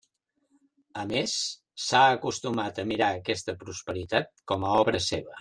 A més, s'ha acostumat a mirar aquesta prosperitat com a obra seva.